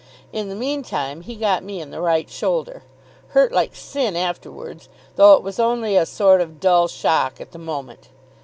In the meantime he got me in the right shoulder. Hurt like sin afterwards, though it was only a sort of dull shock at the moment.